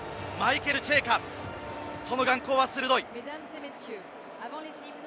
マイケル・チェイカ、その眼光は鋭い。